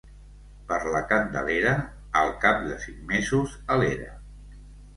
Per la Candelera, al cap de cinc mesos a l'era.